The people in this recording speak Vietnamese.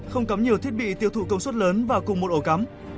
không cắm nhiều thiết bị tiêu thụ công suất lớn và cùng một ổ cắm